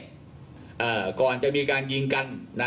กกลัวจะมีการเงียงกัน